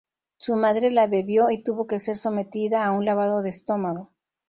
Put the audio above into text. Su madre la bebió y tuvo que ser sometida a un lavado de estómago.